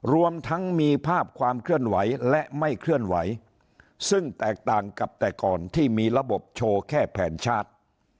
รวมทั้งมีภาพความเคลื่อนไหวและไม่เคลื่อนไหวซึ่งแตกต่างกับแต่ก่อนที่มีระบบโชว์แค่แผนชาติ